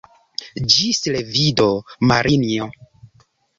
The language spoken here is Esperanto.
Ĝis revido, Marinjo.